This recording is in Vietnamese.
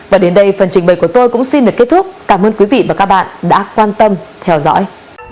và đến đây phần trình bày của tôi cũng xin được kết thúc cảm ơn quý vị và các bạn đã quan tâm theo dõi